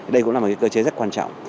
đây cũng là một cơ chế rất quan trọng